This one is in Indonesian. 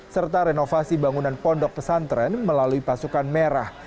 serta renovasi bangunan pondok pesantren melalui pasukan merah